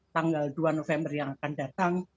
tanggal dua november yang akan datang